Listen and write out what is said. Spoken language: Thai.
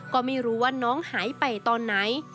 ก็ไม่รู้ว่าน้องหายไปตอนไหน